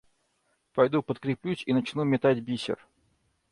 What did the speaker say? Пойду подкреплюсь и начну метать бисер.